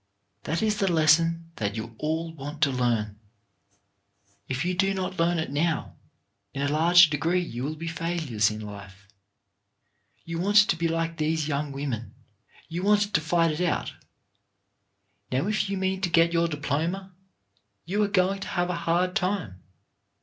That is the lesson that you all want to learn. If you do not learn it now, in a large degree you will be failures in life. You want to be like these young women. You want to fight it out. Now if you mean to get your diploma, you are going to have a hard time.